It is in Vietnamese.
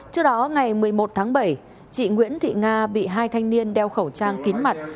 trước đó ngày một mươi một tháng bảy chị nguyễn thị nga bị hai thanh niên đeo khẩu trang kín mặt